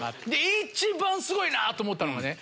一番すごいなと思ったのがね。